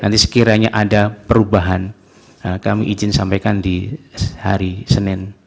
nanti sekiranya ada perubahan kami izin sampaikan di hari senin